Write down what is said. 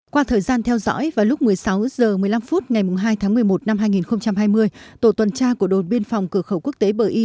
qua thời gian theo dõi vào lúc một mươi sáu h một mươi năm phút ngày hai tháng một mươi một năm hai nghìn hai mươi tổ tuần tra của đồn biên phòng cửa khẩu quốc tế bờ y